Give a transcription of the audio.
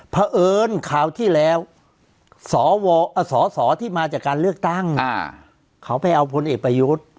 เพราะเอิญคราวที่แล้วสอสอที่มาจากการเลือกตั้งเขาไปเอาพลเอกประยุทธ์